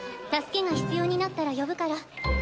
助けが必要になったら呼ぶから。